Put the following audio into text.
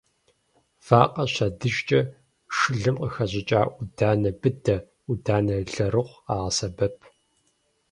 Вакъэ щадыжкӏэ шылэм къыхэщӏыкӏа ӏуданэ быдэ, ӏуданэ лэрыгъу къагъэсэбэп.